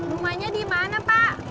rumahnya dimana pak